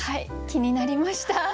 気になりました。